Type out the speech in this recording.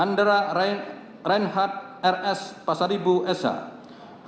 andra reinhardt rs pasaribu shmh